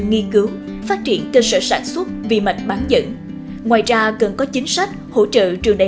nghiên cứu phát triển cơ sở sản xuất vi mạch bán dẫn ngoài ra cần có chính sách hỗ trợ trường đại